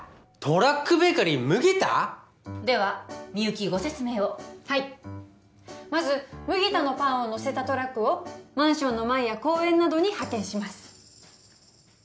トラックベーカリー麦田？ではみゆきご説明をはいまず麦田のパンを載せたトラックをマンションの前や公園などに派遣します